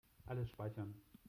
Alles speichern.